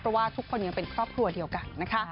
เพราะว่าทุกคนยังเป็นครอบครัวเดียวกันนะคะ